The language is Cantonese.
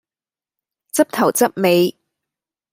執頭執尾